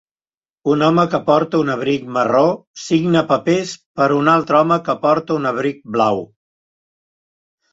Un home que porta un abric marró signa papers per a un altre home que porta un abric blau.